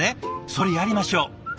それやりましょう。